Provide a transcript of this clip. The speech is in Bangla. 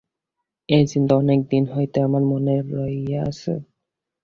এই চিন্তা অনেক দিন হইতে আমার মনে রহিয়াছে।